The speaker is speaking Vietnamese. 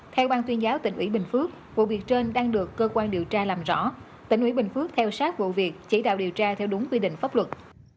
theo ban tuyên giáo tỉnh ủy bình phước vụ việc trên đang được cơ quan điều tra làm rõ tỉnh ủy bình phước theo sát vụ việc chỉ đạo điều tra theo đúng quy định pháp luật